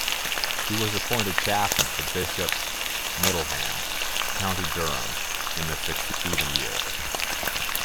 He was appointed chaplain to Bishop Middleham, County Durham, in the succeeding year.